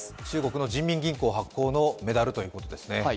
中国の人民銀行発行のメダルということですね。